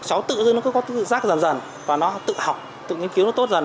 cháu tự dưng nó có tư giác dần dần và nó tự học tự nghiên cứu nó tốt dần